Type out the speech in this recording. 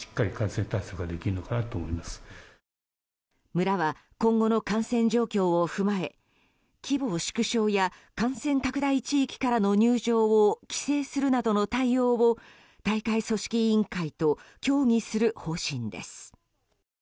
村は、今後の感染状況を踏まえ規模縮小や、感染拡大地域からの入場を規制するなどの対応を大会組織委員会と協議する方針です。